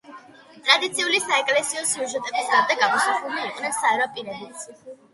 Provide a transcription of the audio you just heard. ტრადიციული საეკლესიო სიუჟეტების გარდა გამოსახულნი იყვნენ საერო პირებიც.